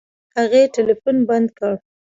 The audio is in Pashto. هغې ټلفون بند کړ.